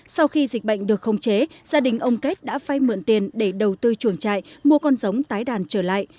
sau khi dịch bệnh được khống chế gia đình ông kết đã phai mượn tiền để đầu tư chuồng trại mua con giống tái đàn trở lại